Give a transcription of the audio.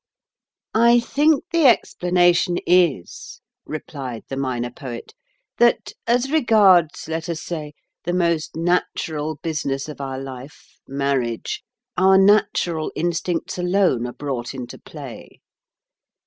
"I think the explanation is," replied the Minor Poet, "that as regards, let us say, the most natural business of our life, marriage, our natural instincts alone are brought into play.